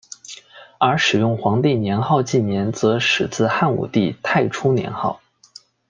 而使用皇帝年号纪年则始自汉武帝太初年号。